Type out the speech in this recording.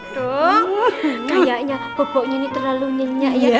tuh kayaknya pupuknya ini terlalu nyayak ya